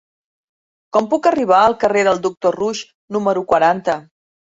Com puc arribar al carrer del Doctor Roux número quaranta?